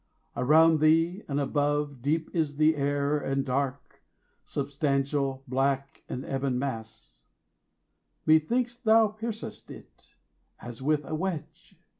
Around thee and above Deep is the air and dark, substantial, black, An ebon mass: methinks thou piercest it, As with a wedge!